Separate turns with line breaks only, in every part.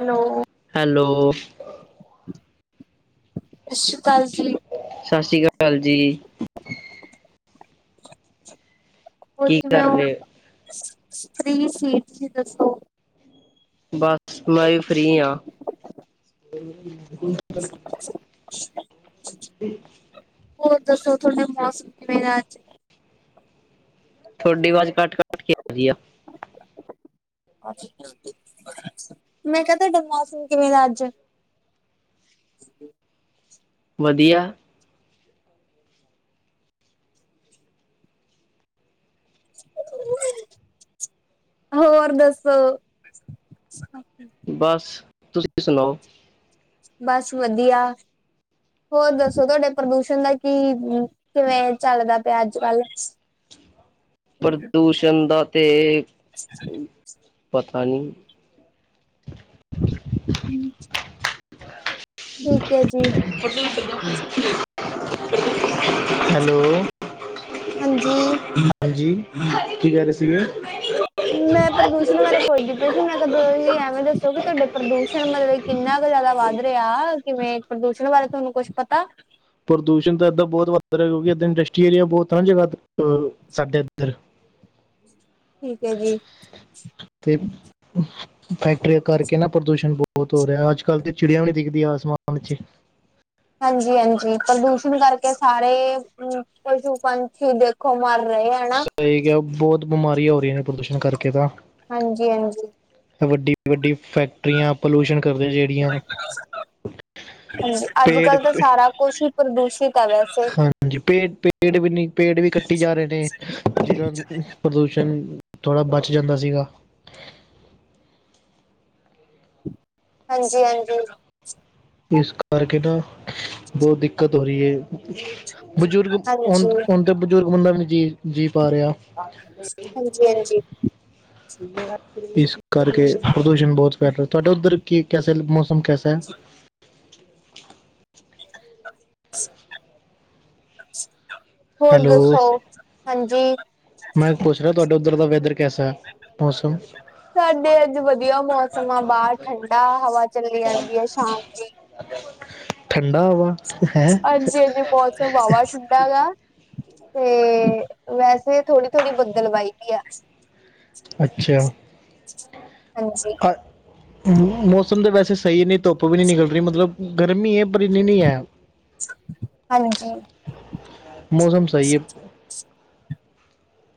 Hello.
Hello.
Shashikal ਜੀ।
ਸ਼ਾਸ਼ੀਕਾਲ ਜੀ।
ਹੋਰ
ਕੀ
ਕਿਵੇਂ
ਕਰ
ਓ।
ਰਹੇ ਹੋ?
ਫ੍ਰੀ ਸੀ ਤੁਸੀ ਦੱਸੋ?
ਬਸ ਮੈ ਵੀ ਫਿ ਫ੍ਰੀ ਆਂ।
[unintelligible]
ਠੀਕ।
ਹੋਰ ਦੱਸੋ ਥੋਡੇ ਮੌਸਮ ਕਿਵੇਂ ਐ ਅੱਜ?
ਥੋਡੀ ਵਾਜ਼ ਕਟ-ਕਟ ਕੇ ਆਰੀ ਆ।
ਮੈਂ ਕਿਆ ਧਾਡਾ ਮੌਸਮ ਕਿਵੇਂ ਦਾ ਅੱਜ?
ਵਧੀਆ।
ਹੋਰ ਦੱਸੋ?
ਬੱਸ ਤੁਸੀ ਸਣਾਉ?
ਬੱਸ ਵਧੀਆ। ਹੋਰ ਦੱਸੋ ਤੁਹਾਡੇ ਪ੍ਰਦੂਸ਼ਣ ਦਾ ਕੀ, ਕਿਵੇਂ, ਚੱਲਦਾ ਪਿਆ ਅੱਜ-ਕੱਲ੍ਹ? ' [inaudible]
ਪ੍ਰਦੂਸ਼ਣ ਦਾ ਤੇ
' [inaudible]
ਅ ਪਤਾ ਨੀ।
ਹਮ। ਜੀ
ਹੈਲੋ।
ਹਾਂਜੀ
ਹਾਂਜੀ, ਕੀ ਕਰ ਸੀਗੇ?
ਮੈਂ ਪ੍ਰਦੂਸ਼ਣ ਬਾਰੇ ਪੁਸਦੀ ਪਈ ਸੀ, ਮੈਂ ਕਿਹਾ ਦੋਹੀ ਐਵੇਂ ਦੱਸੋ ਕਿ ਤੁਹਾਡੇ ਪ੍ਰਦੂਸ਼ਣ ਮਤਲਬ ਕਿੰਨਾ ਕ ਜਾਦਾ ਵੱਧ ਰਿਹਾ ਕਿਮੇਂ ਪ੍ਰਦੂਸ਼ਣ ਬਾਰੇ ਧੋਨੂੰ ਕੁਛ ਪਤਾ।
ਪ੍ਰਦੂਸ਼ਣ ਤਾਂ ਐਦਾ ਬੌਤ ਵੱਧ ਰਿਹਾ ਕਿਉਂਕਿ ਇਦਅ ਇੰਡਸਟਰੀ ਏਰੀਆ ਬੌਤ ਆ ਨਾ ਜਗ੍ਹਾ ਅਅ ਸਾਡੇ ਇੱਧਰ।
ਠੀਕ ਐ ਜੀ।
ਤੇ ਫੈਕਟਰੀਆ ਕਰਕੇ ਨਾ ਪ੍ਰਦੂਸ਼ਣ ਬਹੁਤ ਹੋ ਰਿਹਾ ਅੱਜ -ਕੱਲ੍ਹ ਤੇ ਚਿੜੀਆ ਵੀ ਨ ਦਿਖਦੀਆਂ ਆਸਮਾਨ 'ਚ'।
ਹਾਂਜੀ-ਆਂਜੀ, ਪ੍ਰਦੂਸ਼ਣ ਕਰਕੇ ਸਾਰੇ ਪਸੂ-ਪੰਛੀ ਦੇਖੋ ਮਰ ਰਹੇ ਆ।
ਸਈ ਕਿਆ ਹੁਤ ਬਮਾਰੀਆਂ ਹੋ ਰਹੀਆਂ ਨੇ ਪ੍ਰਦੂਸ਼ਣ ਕਰਕੇ ਤਾਂ ‌।
ਹਾਂਜੀ-ਅੰਜੀ।
ਵੱਡੀ-ਵੱਡੀ ਫੈਕਟਰੀਆਂ ਪਲੂਸ਼ਨ ਕਰਦੀ ਜੇ।
ਹਾਂਜੀ,
ਪੇੜ
ਅੱਜ-ਕੱਲ੍ਹ ਤੇ
ਪ-
ਸਾਰਾ ਕੁਛ ਈ ਪ੍ਰਦੂਸ਼ਿਤ ਆ, ਵੈਸੇ।
ਹਾਂਜੀ, ਪੇੜ-ਪੇੜ ਵੀ ਨੀ ਪੇੜ ਵੀ ਕੱਟੀ ਜਾ ਰੇ ਨੇ ਜਿਨਾਂ ਨੂੰ ਪ੍ਰਦੂਸ਼ਣ ਥੋੜਾ ਬਚ ਜਾਂਦਾ ਸੀਗਾ।
ਹਾਂਜੀ-ਹਾਂਜੀ।
ਇਸ ਕਰਕੇ ਨਾ, ਬਹੁਤ ਦਿੱਕਤ ਹੋ ਰਹੀ ਏ। ਬਜ਼ੁਰਗ,
ਹਾਂਜੀ
ਹੁਣ ਤੇ ਬਜ਼ੁਰਗ ਬੰਦਾ ਵੀ ਨਹੀਂ ਜੀ ਜੀਅ ਪਾ ਰਿਹਾ।
ਹਾਂਜੀ-ਹਾਂਜੀ।
ਇਸ ਕਰਕੇ, ਪ੍ਰਦੂਸ਼ਣ ਬਹੁਤ ਬੈਟਰ ਤੁਹਾਡਾ ਉੱਧਰ ਕੀ ਕੈਸੇ ਮੌਸਮ ਕੈਸਾ।
ਹੋਰ
ਹੈਲੋ
ਦੱਸੋ? ਹਾਂਜੀ
ਮੈਂ ਪੁੱਛ ਰਿਹਾ ਤੁਹਾਡੇ ਉੱਧਰ ਦਾ ਵੈਦਰ ਕਿ ਕੈਸਾ। ਮੌਸਮ।
ਸਾਡੇ ਅੱਜ ਵਧੀਆ ਮੌਸਮ ਆ ਬਾਹਰ ਠੰਡਾ ਹਵਾ ਚੱਲੀ ਜਾਂਦੀ ਐ, ਸ਼ਾਮ ਦੀ‌।
ਠੰਡਾ ਵਾ।
ਹਾਂਜੀ-ਹਾਂਜੀ। ਮੌਸਮ ਵਾਵਾ ਠੰਡਾ ਗਾ। ਤੇ, ਵੈਸੇ ਥੋੜੀ-ਥੋੜ੍ਹੀ ਬੱਦਲਵਾਈ ਵੀ ਆ।
ਅੱਛਿਆ।
ਹਾਂਜੀ।
ਹੂ ਮੌਸਮ ਤਾਂ ਵੈਸੇ ਸਹੀ ਨਹੀਂ ਧੁੱਪ ਵੀ ਨੀ ਨਿਕਲ ਰਹੀ ਮਤਲਬ ਗਰਮੀ ਐ, ਪਰ ਇੰਨੀ ਨੀ ਐ।
ਹਾਂਜੀ
ਮੌਸਮ ਸਹੀ ਐ।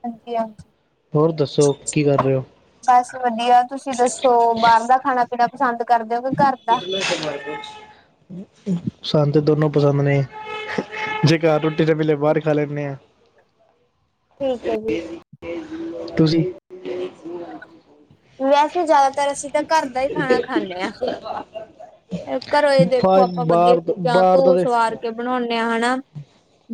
ਹਾਂਜੀ-ਹਾਂਜੀ।
ਹੋਰ ਦੱਸੋ ਕੀ ਕਰ ਰਹੇ ਹੋ?
ਬਸ ਵਧੀਆ ਤੁਸੀਂ ਦੱਸੋ? ਬਾਹਰ ਖਾਣਾ ਪੀਣਾ ਪਸੰਦ ਕਰਦੇ ਹੋ ਕਿ ਘਰ ਦਾ।
ਸਾਨੂੰ ਤਾਂ ਦੋਨੋ ਪਸੰਦ ਨੇ ਜੇ ਪਿਆ। ਘਰ ਰੋਟੀ ਜੇ ਮੇਲੇ ਬਾਹਰ ਹੀ ਖਾ ਲੈਣੇ ਆ।
ਠੀਕ ਕੇ ਜੀ।
ਤੁਸੀ। ਨਹੀਂ ਜੀਆਂ।
ਵੈਸੇ ਜ਼ਿਆਦਾਤਰ ਅਸੀ ਤਾਂ ਘਰ ਦਾ ਹੀ ਖਾਣਾ ਖਾਣੇ ਹਾਂ। ਘਰੋ ਦੇਖੋ
ਫਾ-
ਆਪਾਂ ਵਧੀਆ
ਬਾਹਰ
ਚੀਜ਼ਾਂ
ਬਾਹਰ
ਧੂ
ਦਾ ਤੇ-
ਸਵਾਰ ਕੇ ਬਣਾਦੇ ਹਾਂ ਹਨਾ।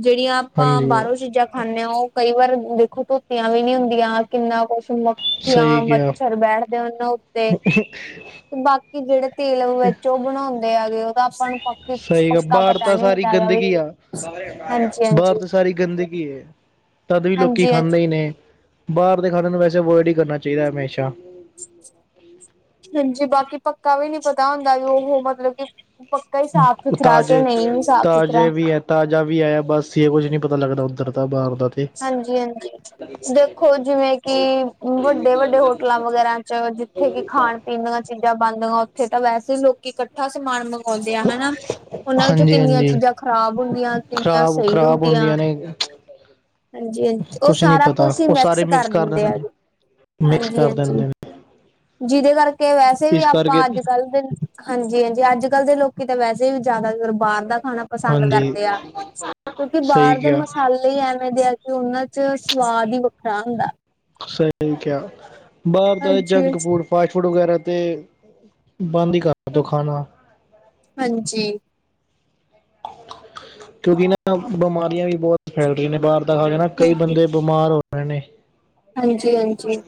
ਜਿਹੜੀਆਂ ਆਪਾਂ
ਹਾਂਜੀ
ਬਾਹਰੋਂ ਚੀਜ਼ਾਂ ਖਾਂਦੇ ਹਾਂ। ਉਹ ਕਈ ਵਾਰ ਦੇਖੋ ਧੋਤੀਆਂ ਵੀ ਨੀ ਹੁੰਦੀਆਂ ਕਿੰਨਾ ਕੁਛ ਹੁੰਦਾ।
ਸਹੀ
ਮੱਖੀਆਂ,
ਕਿਹਾ
ਮੱਛਰ ਬੈਠਦੇ ਆ ਉਹਨਾਂ ਉੱਤੇ। ਤੇ ਬਾਕੀ ਜਿਹੜੇ ਤੇਲ ਵਿੱਚ ਉਹ ਬਣਾਦੇ ਆਗੇ ਉਹ ਤਾਂ ਆਪਾਂ ਨੂੰ ਪਤਾ
ਸਹੀ ਗਾ
ਪੱਕਾ
ਬਾਹਾਰ ਤਾਂ
ਨੀ
ਸਾਰੀ
ਹੁੰਦਾ ਹੈਗਾ ਵੀ
ਗੰਦਗੀ ਆ।
ਹਾਂਜੀ ਹਾਂਜੀ
ਬਾਹਰ ਤਾਂ ਸਾਰੀ ਗੰਦਗੀ ਤਦ ਵੀ ਲੋਕੀ
ਹਾਂਜੀ ਹਾਂਜੀ
ਖਾਂਦੇ ਹੀ ਨੇ। ਬਾਹਰ ਦੇ ਖਾਣਾ ਵੈਸੇ ਅਵੋਇਡ ਹੀ ਕਰਨਾ ਚਾਹੀਦਾ ਏ ਹਮੇਸ਼ਾ।
ਹਾਂਜੀ, ਬਾਕੀ ਪੱਕਾ ਵੀ ਨੀ ਪਤਾ ਹੁੰਦਾ ਉਹ ਮਤਲਬ ਕਿ ਪੱਕਾ ਹੀ ਸਾਫ਼-ਸੁਥਰਾ ਕਿ
ਤਾਜ਼ੇ
ਨਹੀਂ ਵੀ
ਤਾਜ਼ੇ
ਸਾਫ਼-ਸੁਥਰਾ।
ਵੀ ਹੈ ਤਾਜ਼ਾ ਵੀ ਆਇਆ ਬਾਸੀ ਇਹ ਕੁੱਝ ਨਹੀਂ ਪਤਾ ਲੱਗਦਾ ਉੱਧਰ ਦਾ ਬਾਹਰ ਦਾ ਤੇ।
ਹਾਂਜੀ-ਹਾਂਜੀ। ਦੇਖੋ ਜਿਵੇਂ ਕਿ ਵੱਡੇ-ਵੱਡੇ ਹੋਟਲਾਂ ਵਗੈਰਾ ਚ ਜਿੱਥੇ ਕਿ ਖਾਣ- ਪੀਣ ਚੀਜ਼ਾਂ ਬਣਦੀਆਂ ਉੱਥੇ ਤਾ ਵੈਸੇ ਲੋਕੀ ਇਕੱਠਾ ਸਮਾਨ ਮੰਗ ਆਉਦੇ ਆ ਹਨਾ। ਉਹਨਾਂ ਵਿੱਚੋਂ
ਹਾਂਜੀ
ਕਿੰਨੀਆਂ
ਹਾਂਜੀ
ਚੀਜ਼ਾਂ ਖ਼ਰਾਬ ਹੁੰਦੀਆਂ ਕਿੰਨੀਆਂ
ਖਰਾਬ
ਸਹੀ
ਖਰਾਬ
ਹੁੰਦੀਆਂ।
ਨੇ
ਹਾਂਜੀ-ਹਾਂਜੀ।
ਕੁਝ ਨਹੀਂ
ਉਹ
ਪਤਾ
ਕੁਛ ਹੀ
ਉਹ
ਮਿਕਸ
ਸਾਰੇ
ਕਰ ਦਿੰਦੇ ਆ
ਨੇ
ਗੇ।
ਮਿਕਸ ਕਰ ਦਿੰਦੇ ਨੇ।
ਜਿਹਦੇ ਕਰਕੇ ਵੈਸੇ ਵੀ
ਇਸ
ਆਪਾਂ
ਕਰਕੇ
ਅੱਜ-ਕੱਲ੍ਹ ਦੇ। ਹਾਂਜੀ-ਹਾਂਜੀ। ਅੱਜ-ਕੱਲ੍ਹ ਦੇ ਲੋਕੀ ਤਾਂ ਵੈਸੇ ਵੀ ਜ਼ਿਆਦਾ ਬਾਹਰ ਦਾ ਖਾਣਾ ਪਸੰਦ
ਹਾਂਜੀ
ਕਰਦੇ ਆ। ਕਿਉਕਿ
ਸਹੀ
ਬਾਹਰ ਦੇ
ਕਿਹਾ
ਮਸਾਲੇ ਐਵੇ ਦੇ ਆ ਤੇ ਉਹਨਾਂ ਚ ਸਵਾਦ ਈ ਵੱਖਰਾ ਹੁੰਦਾ।
ਸਹੀ ਕਿਹਾ। ਬਾਹਰ ਦਾ ਏ
ਹਾਂਜੀ
ਜੰਕ ਫੂਡ ਫਾਸਟ ਫੂਡ ਵਗੈਰਾ ਤੇ ਬੰਦ ਹੀ ਕਰ ਦਿਉ ਖਾਣਾ।
ਹਾਂਜੀ।
ਕਿਉਕਿ ਨਾ ਬਿਮਾਰੀਆਂ ਵੀ ਬਹੁਤ ਫੈਲ ਰਹੀਆਂ ਨੇ ਬਾਹਰ ਦਾ ਖਾ ਕੇ ਨਾ ਕਈ ਬੰਦੇ ਬਿਮਾਰ ਹੋ ਰਹੇ ਨੇ।
ਹਾਂਜੀ ਹਾਂਜੀ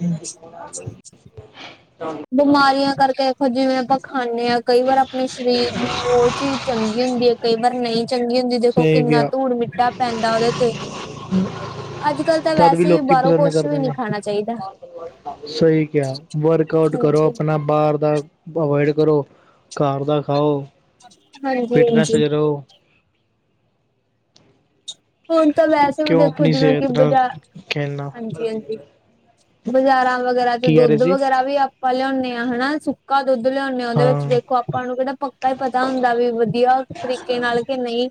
ਬਿਮਾਰੀਆਂ ਕਰਕੇ ਦੇਖੋਂ ਜਿਵੇਂ ਆਪਾਂ ਖਾਣੇ ਹਾਂ। ਕਈ ਵਾਰ ਆਪਣੇ ਸਰੀਰ ਨੂੰ ਉਹ ਚੀਜ਼ ਚੰਗੀ ਹੁੰਦੀ ਆ ਕਈ ਵਾਰ ਨਹੀਂ ਚੰਗੀ ਨੀ ਦੇਖੋ
ਸਹੀ
ਕਿੰਨਾ
ਕਿਹਾ
ਧੂਣ ਮਿੱਟਾ ਪੈਂਦਾ ਉਹਦੇ ਤੇ। ਅੱਜ-ਕੱਲ੍ਹ ਤਾਂ
ਤਦ
ਵੈਸੇ ਵੀ
ਲੋਕੀ
ਬਾਹਰੋਂ
ਪਸੰਦ
ਕੁਛ
ਕਰਦੇ
ਵੀ ਨੀ
ਨੇ
ਖਾਣਾ ਚਾਹੀਦਾ।
ਸਹੀ ਕਿਹਾ ਵਰਕ ਆਊਟ ਕਰੋ
ਹਾਂਜੀ
ਆਪਣਾ। ਬਾਹਰ ਦਾ ਅਵੋਇਡ ਕਰੋ ਘਰ ਦਾ ਖਾਓ। ਫਿਟਨੈਸ
ਹਾਂਜੀ-ਹਾਂਜੀ।
ਚ ਰਹੋ
ਹੁਣ ਤਾਂ ਵੈਸੇ ਵੀ
ਕਿਉਂ
ਦੇਖੋ
ਆਪਣੀ
ਜਿਵੇਂ ਕਿ
ਸਿਹਤ ਨਾਲ
ਬਾਜ਼ਾਰ
ਖੇਲਣਾ
ਹਾਂਜੀ-ਹਾਂਜੀ। ਬਾਜ਼ਾਰਾਂ ਵਗੈਰਾ ਚ
ਕੀ ਕਹਿ ਰਹੇ
ਦੁੱਧ
ਸੀ
ਵਗੈਰਾ ਵੀ ਆ- ਪਾਂ ਲਿਆਣੇ ਹਾਂ ਹਨਾ। ਸੁੱਕਾ ਦੁੱਧ ਲਿਆਣੇ ਹਾਂ ਉਹਦੇ ਵਿੱਚ ਦੇਖੋ ਆਪਾਂ ਨੂੰ ਕਿਹੜਾ ਪੱਕਾ। ਕਾ ਪਤਾ ਹੁੰਦਾ ਵੀ ਵਧੀਆਂ ਤਰੀਕੇ ਨਾਲ਼ ਕਿ ਨਹੀਂ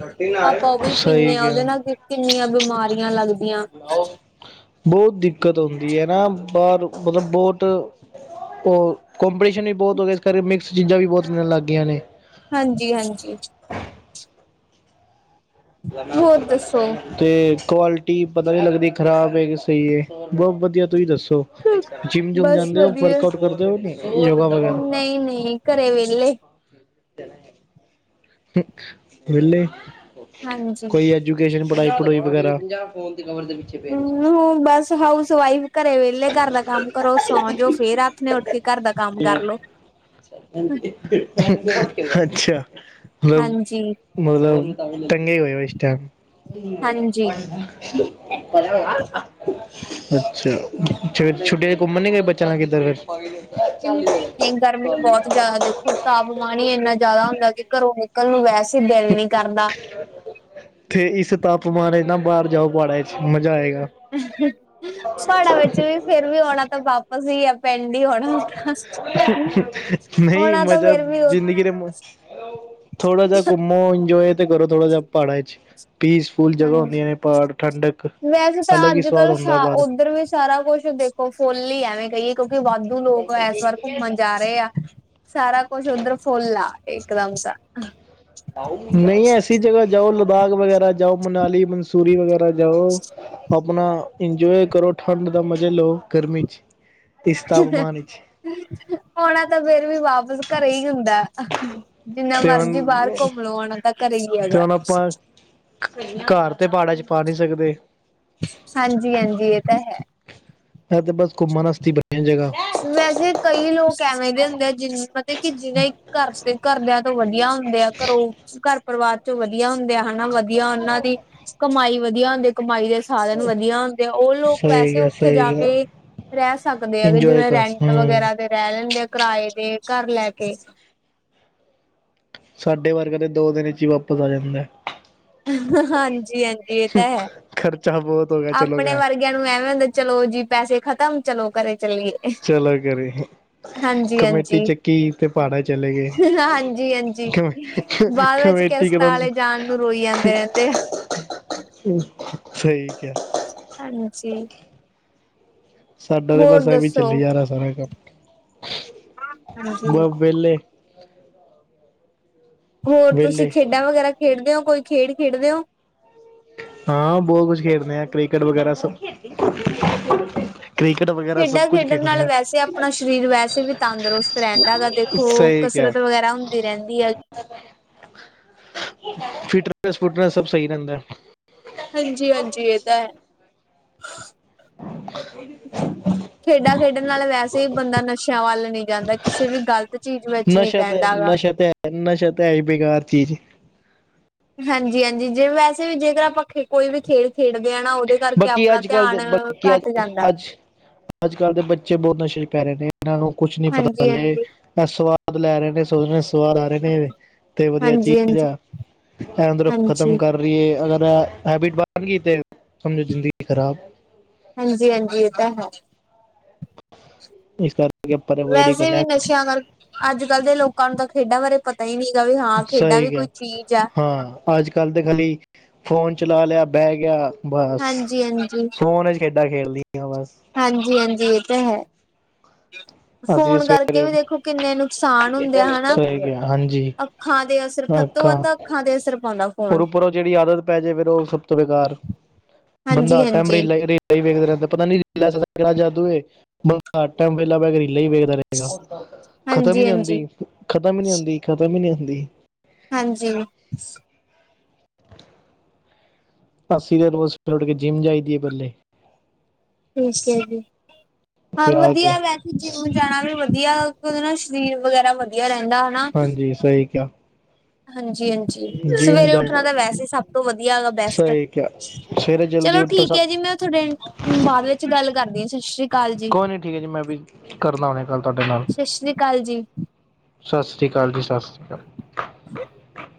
ਆਪਾਂ ਉਹ ਵੀ ਪੀ
ਸਹੀ
ਨੇ ਆ ਉਹਦੇ
ਕਿਹਾ
ਨਾਲ਼ ਫਿਰ ਕਿੰਨੀਆਂ ਬਿਮਾਰੀਆਂ ਲੱਗਦੀਆਂ
ਬਹੁਤ ਦਿੱਕਤ ਆਉਂਦੀ ਐ ਨਾ, ਬਾਹਰ ਮਤਲਬ ਬਹੁਤ ਉਹਰ ਕੰਪੀਟੀਸ਼ਨ ਵੀ ਬਹੁਤ ਹੋ ਗਿਆ ਇਸ ਕਰਕੇ ਮਿਕਸ ਚੀਜ਼ਾਂ ਵੀ ਬਹੁਤ ਮਿਲਣ ਲੱਗ ਗਈਆਂ ਨੇ
ਹਾਂਜੀ-ਹਾਂਜੀ।
'
ਹੋਰ ਦੱਸੋ
[unintelligible] ਤੇ ਕੁਆਲਿਟੀ ਪਤਾ ਨ੍ਹੀਂ ਲੱਗਦੀ ਖ਼ਰਾਬ ਐ ਕਿ ਸਹੀ ਏ, ਬਹੁਤ ਵਧੀਆਂ ਤੁਸੀਂ ਦੱਸੋਂ ਜਿੰਮ ਜੁਮ
ਬਸ
ਜਾਂਦੇ ਓ,
ਵਧੀਆ
ਵਰਕ ਆਊਟ ਕਰਦੇ ਓ ਨੀ ਯੋਗਾ ਵਗੈਰਾ
ਨੀਂ ਘਰੇ ਵਿਹਲੇ
ਵਿਹਲੇ
ਹਾਂਜੀ
ਕੋਈ ਅੱਜ ਐਜ਼ੂਕੇਸ਼ਨ ਪੜ੍ਹਾਈ ਪੜਾਉਈ ਵਗੈਰਾ ਪਏ
ਹਮ
ਨੇ
ਹ ਬੱਸ ਹਾਊਸ ਵਾਈਫ਼ ਘਰੇ ਵਿਹਲੇ ਘਰ ਦਾ ਕੰਮ, ਸੌਂ ਜਾਓ, ਫ਼ੇਰ ਆਥਣੇ ਉੱਠ ਕੇ ਘਰ ਦਾ ਕਰ ਲੋ
ਅੱਛਿਆ, ਮਲਬ,
ਹਾਂਜੀ
ਮਤਲਬ ਟੰਗੇ ਏ ਹੋਏ ਓ, ਇਸ ਟੈਮ
ਹਾਂਜੀ।
ਅੱਛਾ, ਫ਼ਿਰ ਛੁੱਟੀਆਂ 'ਚ' ਘੁੰਮਣ ਨੀ ਕ ਬੱਚਿਆਂ ਨਾਲ਼ ਕਿੱਧਰ ਫ਼ਿਰ'
ਨਹੀਂ-ਨਹੀਂ
' [unintelligible]
ਗਰਮੀ ਬਹੁਤ ਜ਼ਿਆਦਾ ਦੇਖੋਂ, ਤਾਪਮਾਨ ਹੀ ਇੰਨਾ ਜ਼ਿਆਦਾ ਹੁੰਦਾ ਕਿ ਘਰੋਂ ਨਿਕਲਣ ਨੂੰ ਵੈਸੇ ਦਿਲ ਨੀ ਕਰਦਾ
' [inaudible] ਤੇ ਇਸ ਤਾਪਮਾਨ ਵਿੱਚ ਨਾ ਬਾਹਰ ਜਾਓ ਪਾੜਾ 'ਚ' ਮਜ਼ਾ ਆਏਗਾ
ਪਹਾੜਾ ਵਿੱਚ ਵੀ, ਫ਼ੇਰ ਵੀ ਆਉਣਾ ਤਾਂ ਵਾਪਸ ਈ ਆ ਪਿੰਡ ਈ
ਨਹੀਂ
ਆਉਣਾ ਤਾਂ
ਮਜ਼ਾ,
ਫੇਰ ਵੀ
ਜ਼ਿੰਦਗੀ ਦਾ ਮਜ਼ ਥੋੜ੍ਹਾ ਜਾ ਘੁੰਮੋ ਇੰਜੋਏ ਤੇ ਕਰੋ ਥੋੜ੍ਹਾ ਜਾ ਪਹਾੜਾਂ 'ਚ' ਪੀਸ
ਹਾਂਜੀ, ਵੈਸੇ ਤਾਂ
ਅਲੱਗ ਹੀ ਸਵਾਦ
ਅੱਜ-ਕੱਲ੍ਹ
ਹੁੰਦਾ
ਸਾ
ਬਾਹਰ
ਉੱਧਰ ਵੀ ਸਾਰਾ ਕੁਛ ਦੇਖ ਖੋ ਫੁੱਲ ਈ ਆ ਐਵੇਂ ਕਹੀਏ ਕਿਉਂਕਿ ਵਾਧੂ ਲੋਕ ਇਸ ਵਾਰ ਘੁੰਮਣ ਜਾ ਰਹੇ ਆ ਸਾਰਾ ਕੁਛ ਉੱਧਰ ਫੁੱਲ ਆ ਇੱਕਦਮ ਸਾ
ਨਹੀਂ, ਐਸੀ ਜਗ੍ਹਾ ਜਾਓ, ਲਦਾਖ਼ ਵਗੈਰਾ ਜਾਓ, ਮਨਾਲੀ ਸੂਰੀ ਵਗੈਰਾ ਜਾਓ, ਆਪਣਾ ਇੰਜੋਏ ਕਰੋ, ਠੰਡ ਦਾ ਮਜ਼ਾ ਲਓ, ਗਰਮੀ 'ਚ' ਇਸ ਤਾਪਮਾਨ ਵਿੱਚ
ਆਉਣਾ ਤਾਂ, ਫ਼ੇਰ ਵੀ ਵਾਪਿਸ ਘਰੇ ਈ ਹੁੰਦਾ ਜਿੰਨਾ
ਤੇ ਹੁਣ
ਮਰਜ਼ੀ ਬਾਹਰ ਘੁੰਮ ਲੋ, ਆਉਣਾ ਤਾਂ ਘਰੇ ਈ ਗਾ
ਕੋਈ ਨਾ ਘਰ ਤੇ ਪਹਾੜਾਂ 'ਚ' ਪਾ ਨਹੀਂ ਸਕਦੇ।
ਹਾਂਜੀ-ਹਾਂਜੀ ਇਹ ਤਾਂ ਹੈ।
ਐ ਤੇ ਬੱਸ ਘੁੰਮਣ ਆਸਤੇ ਬਣੀ ਆ ਜਗਾ।
ਵੈਸੇ ਕਈ ਲੋਕ ਐਵੇਂ ਦੇ ਹੁੰਦੇ ਆ ਜਿਨ ਮਤਲਬ ਕਿ ਜਿਹਨੇ ਘਰ ਤੇ ਘਰ ਦਿਆ ਸਭ ਤੋਂ ਵਧੀਆ ਹੁੰਦੇ ਆ, ਘਰੋਂ ਘਰ। ਪਰਿਵਾਰ ਤੋਂ ਵਧੀਆ ਹੁੰਦੇ ਹਨਾ, ਵਧੀਆ ਉਹਨਾਂ ਦੀ ਕਮਾਈ ਵਧੀਆ ਹੁੰਦੀ ਕਮਾਈ ਦੇ ਸਾਧਨ ਵਧੀਆ ਹੁੰਦੇ ਆ, ਉਹ ਲੋਕ
ਸਹੀ
ਵੈਸੇ
ਗ
ਉੱਥੇ
ਸਹੀ
ਜਾ
ਗ
ਕੇ ਰਹਿ ਸਕਦੇ ਆ।
ਇੰਜੋਏ
ਜਿਵੇਂ
ਕਰ
ਰੈਂਟ
ਹਮ
ਵਗੈਰਾ ਤੇ ਰਹਿ ਲੈਂਦੇ ਆ ਕਿਰਾਏ ਦੇ ਘਰ ਲੈ ਕੇ।
ਸਾਡੇ ਵਰਗਾ ਤਾਂ ਦੋ ਦਿਨ ਵਿੱਚ ਹੀ ਵਾਪਸ ਆ ਜਾਂਦਾ।
ਹਾਂਜੀ-ਹਾਂਜੀ ਇਹ ਤਾਂ ਹੈ।
ਖਰਚਾ ਬਹੁਤ ਹੋ ਗਿਆ ਚਲੋ
ਆਪਣੇ
ਘਰ
ਵਰਗਿਆਂ ਨੂੰ ਐਵੇਂ ਹੁੰਦਾ ਚਲੋ ਜੀ, ਪੈਸੇ ਖ਼ਤਮ ਚਲੋ ਘਰੇ ਚੱਲੀਏ।
ਚਲੋ ਘਰੇ।
ਹਾਂਜੀ
ਕਮੇਟੀ
ਹਾਂਜੀ
ਚੱਕੀ ਤੇ ਪਹਾੜਾਂ ਚਲੇ ਗਏ
ਹਾਂਜੀ ਹਾਂਜੀ
ਕਮੇ
ਬਾਅਦ ਵਿੱਚ
ਕਮੇਟੀ
ਕਿਸ਼ਤਾਂ
ਖਤਮ।
ਵਾਲੇ ਜਾਣ ਨੂੰ ਰੋਈ ਜਾਂਦੇ ਰਹਿੰਦੇ ਆ
ਉ ਸਹੀ ਕਿਹਾ।
ਹਾਂਜੀ।
ਸਾਡਾ ਤੇ
ਹੋਰ
ਬੱਸ ਐਵੇਂ
ਦੱਸੋ
ਚੱਲੀ ਜਾ ਰਿਹਾ ਸਾਰਾ ਘਰ
ਹਾਂਜੀ
ਬੱਸ ਵਿਹਲੇ। ' [inaudible]
ਹੋਰ ਤੁਸੀਂ ਖੇਡਾਂ ਵਗੈਰਾ ਖੇਡਦੇ ਓ, ਕੋਈ ਖੇਡ ਖੇਡਦੇ ਓ?
ਹਾਂ, ਬਹੁਤ ਕੁਝ ਖੇਡਦੇ ਆ ਕ੍ਰਿਕਟ ਵਗੈਰਾ ਸਭ।
' [unintelligible]
ਕ੍ਰਿਕਟ ਵਗੈਰਾ ਸਭ
ਖੇਡਾਂ
ਕੁਝ
ਖੇਡਣ
ਖੇਲਦੇ
ਨਾਲ
ਆ
ਵੈਸੇ ਆਪਣਾ ਸਰੀਰ ਵੈਸੇ ਵੀ ਤੰਦਰੁਸਤ ਰਹਿੰਦਾ ਗਾ ਦੇਖੋ ਕਸਰਤ ਵਗੈਰਾ ਹੁੰਦੀ ਰਹਿੰਦੀ ਆ ਗੀ।
' [inaudible] ' [unintelligible] ' ਸਭ ਸਹੀ ਰਹਿੰਦਾ।
ਹਾਂਜੀ-ਹਾਂਜੀ ਇਹ ਤਾਂ ਹੈ।
' [inaudible]
ਖੇਡਾਂ ਖੇਡਣ ਨਾਲ ਵੈਸੇ ਵੀ ਬੰਦਾ ਨਸ਼ਿਆਂ ਵੱਲ ਨਹੀਂ ਜਾਂਦਾ ਕਿਸੇ ਵੀ ਗ਼ਲਤ ਚੀਜ਼ ਵਿੱਚ ਨੀ ਪੈਂਦਾ ਗਾ।
ਨਸਾ ਤਾਂ ਹੈਈ ਬੇਕਾਰ ਚੀਜ਼।
ਹਾਂਜੀ-ਹਾਂਜੀ ਜੇ ਵੈਸੇ ਵੀ ਜੇਕਰ ਆਪਾਂ ਕੋਈ ਵੀ ਖੇਡ ਖੇਡਦੇ ਆ ਨਾ ਉਹਦੇ ਕਰਕੇ
ਬਾਕੀ
ਆਪਣਾ
ਅੱਜ-ਕੱਲ੍ਹ
ਧਿਆਨ
ਦੇ ਬਾਕੀ ਅੱਜ,
ਘੱਟ ਜਾਂਦਾ
ਅੱਜ ਅੱਜ-ਕੱਲ੍ਹ ਦੇ ਬੱਚੇ ਬਹੁਤ ਨਸ਼ੇ ਪੈ ਰਹੇ ਨੇ, ਇਹਨਾਂ ਨੂੰ ਕੁਛ ਨੀ ਪਤਾ ਹਲੇ।
ਹਾਂਜੀ-ਹਾਂਜੀ,
ਸਵਾਦ ਲੈ ਰਹੇ ਨੇ ਸੋਸਲ ਸਵਾਰਾ। ਨੇ ਤੇ ਵਧੀਆ ਚੀਜ਼
ਹਾਂਜੀ-ਹਾਂਜੀ,
ਆ, ਇਹ ਅੰਦਰੋਂ
ਹਾਂਜੀ।
ਖਤਮ ਕਰ ਰੀ ਏ ਅਗਰ ਹੈਬਿਟ ਬਣ ਗੀ ਤੇ। ਸਮਝੋ ਜ਼ਿੰਦਗੀ ਖ਼ਰਾਬ।
ਹਾਂਜੀ-ਹਾਂਜੀ ਇਹ ਤਾਂ ਹੈ।
ਇਸ ਕਰ
ਵੈਸੇ ਵੀ ਨਸ਼ਿਆ ਨਾਲ਼ ਅੱਜ-ਕੱਲ੍ਹ ਦੇ ਲੋਕਾਂ ਨੂੰ ਤਾਂ ਖੇਡਾਂ ਬਾਰੇ ਪਤਾ ਹੀ ਨੀ ਗਾ ਵੀ ਹਾਂ ਖੇਡਾਂ ਵੀ ਕੋਈ ਚੀਜ਼ ਆ।
ਅੱਜ-ਕੱਲ ਤੇ ਖਾਲੀ, ਫੋਨ ਚਲਾ ਲਿਆ, ਬਹਿ ਗਿਆ, ਬੱਸ,
ਹਾਂਜੀ-ਹਾਂਜੀ,
ਫੋਨ ਅ ਜੀ ਖੇਡਾਂ ਖੇਡਲੀਆ ਆ ਬੱਸ
ਹਾਂਜੀ-ਹਾਂਜੀ ਇਹ ਤਾਂ ਹੈ।
ਅਸੀਂ
ਫੋਨ ਕਰਕੇ
ਸਵੇਰੇ
ਵੀ ਦੇਖੋ ਕਿੰਨੇ ਨੁਕਸਾਨ ਹੁੰਦੇ ਆ ਹਨਾ, ਅਕ।
ਸਹੀ ਗਿਆ ਹਾਂਜੀ
ਅੱਖਾਂ ਦੇ ਅਸਰ, ਸੱਭ ਤੋਂ ਵੱਧ ਅੱਖਾਂ ਦੇ ਅਸਰ ਪਾਉਂਦਾ। ਫੋਨ
ਉੱਪਰੋਂ ਜਿਹੜੀ ਆਦਤ ਪੈ ਜੇ ਫੇਰ ਉਹ ਸਭ ਤੋਂ ਬੇਕਾਰ, ਬੰਦਾ ਟਾਈਮਰੇ
ਹਾਂਜੀ-ਹਾਂਜੀ,
ਲਾਇਗੜੀ। ਰੀਲਾ ਵੇਖਦਾ ਰਹਿੰਦਾ, ਪਤਾ ਨੀ ਰੀਲਾ ਸਾਲਾ ਕਿਹੜਾ ਜਾਦੂਏ ਬੰਦਾ ਹਰ ਟਾਈਮ ਬਹਿ ਕੇ ਰੀਲਾ ਹੀ ਵੇਖਦਾ ਰਹਿੰਦਾ। ਖ਼ਤਮ ਈ ਨੀ
ਹਾਂਜੀ-ਹਾਂਜੀ, ਹਾਂਜੀ
ਹੁੰਦੀ, ਖ਼ਤਮ ਈ ਨੀ ਹੁੰਦੀ, ਖ਼ਤਮ ਈ ਨੀ ਹੁੰਦੀ
ਹਾਂਜੀ।
' [inaudible] ਅੱਸੀ ਦਿਨ ਬੱਸ ਫਿਰ ਕੇ ਓਠ ਕੇ ਜਿੰਮ ਜਾਈਦੀ ਏ, ਪਹਿਲੇ
ਠੀਕ ਐ ਜੀ ਹਾਂ
ਫਿਰ ਆ ਕੇ
ਵਧੀਆ ਮੈ ਜਿੰਮ ਜਾਣਾ ਵੀ ਵਧੀਆ ਉਦੇ ਨਾਲ ਸਰੀਰ ਵਗੈਰਾ ਵਧੀਆ ਰਹਿੰਦਾ।
ਹਾਂਜੀ ਸਹੀ ਕਿਹਾ।
ਹਾਂਜੀ-ਹਾਂਜੀ
ਜਿਮ
ਸਵੇਰੇ
ਜਾ
ਉੱਠਣਾ ਤਾਂ ਵੈਸੇ ਹੀ ਸਭ ਤੋਂ ਵਧੀਆ ਹੈਗਾ ਬੈਸਟ।
ਸਹੀ ਕਿਹਾ ਸਵੇਰੇ ਜਲਦੀ
ਚਲੋ
ਉੱਠੋ
ਠੀਕ
ਸਭ
ਏ ਜੀ ਮੈਂ ਤੁਹਾਡੇ ਬਾਅਦ ਵਿੱਚ ਗੱਲ ਕਰਦੀ ਆ ਸਸ੍ਰੀ ਕਾਲ ਜੀ।
ਕੋਈ ਨਹੀਂ ਠੀਕ ਐ ਜੀ, ਮੈਂ ਵੀ, ਕਰਨਾ ਹੁਣੇ ਗੱਲ ਤੁਹਾਡੇ ਨਾਲ।
ਸਤਿ ਸ੍ਰੀ ਅਕਾਲ ਜੀ।
ਸਸਰੀ ਕਾਲ ਜੀ, ਸਸਰੀ ਕਾਲ।
[unintelligible]